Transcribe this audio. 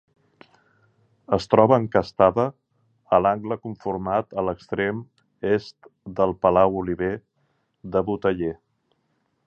Es troba encastada a l'angle conformat a l'extrem est del palau Oliver de Boteller.